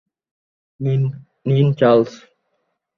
নিন, চার্লস।